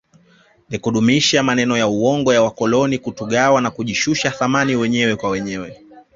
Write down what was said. Ni kudumisha maneno ya uongo ya wakoloni kutugawa na kujishusha thamani wenyewe kwa wenyewe